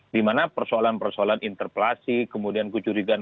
dimana persoalan persoalan interpelasi kemudian kecurigaan